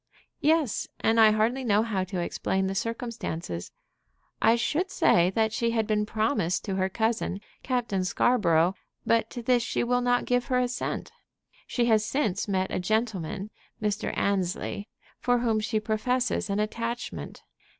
"Yes; and I hardly know how to explain the circumstances. I should say that she had been promised to her cousin, Captain Scarborough; but to this she will not give her assent. She has since met a gentleman, Mr. Annesley, for whom she professes an attachment.